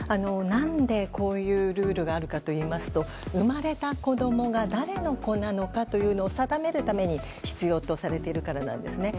何でこういうルールがあるかといいますと生まれた子供が誰の子なのかというのを定めるために必要とされているからなんです。